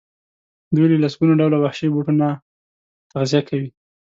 دوی له لسګونو ډوله وحشي بوټو تغذیه کوله.